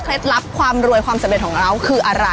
ลับความรวยความสำเร็จของเราคืออะไร